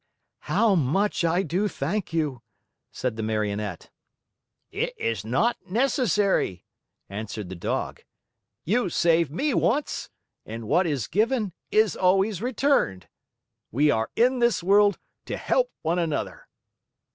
"How much I do thank you!" said the Marionette. "It is not necessary," answered the Dog. "You saved me once, and what is given is always returned. We are in this world to help one another."